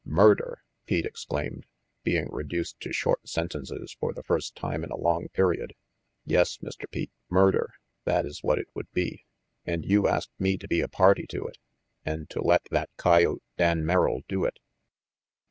"Murder?" Pete exclaimed, being reduced to short sentences for the first time in a long period. "Yes, Mr. Pete, murder. That is what it would be. And you asked me to be a party to it. And to let that coyote, Dan Merrill, do it.